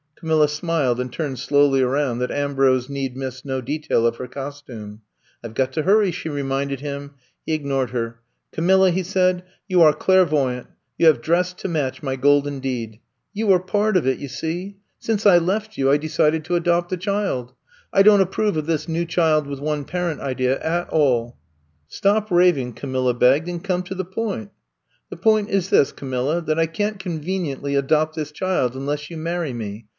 Camilla smiled and turned slowly around that Am brose need miss no detail of her costume. I Ve got to hurry, she reminded him. He ignored her. Camilla," he said, you are clairvoy ant. You have dressed to match my golden deed. You are part of it, you see. Since I'VE COMB TO STAY 59 I left you, I decided to adopt a child. I don't approve of this new child with one parent idea at all." Stop raving,*' Camilla begged, and come to the point." The point is this, Camilla, that I cant conveniently adopt this child unless you marry me.